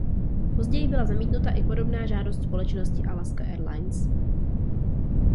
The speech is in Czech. Později byla zamítnuta i podobná žádost společnosti Alaska Airlines.